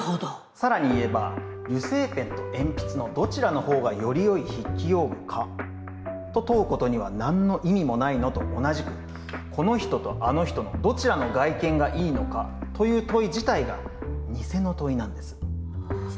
更に言えば油性ペンと鉛筆のどちらの方がよりよい筆記用具かと問うことには何の意味もないのと同じくこの人とあの人のどちらの外見がいいのかという問い自体がニセの問いなのです。